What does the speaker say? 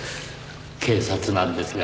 警察なんですが。